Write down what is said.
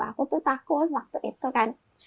aku tuh takut waktu itu kan